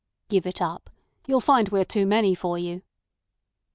"Give it up. You'll find we are too many for you."